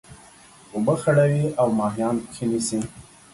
اوبه خړوي او ماهيان پکښي نيسي.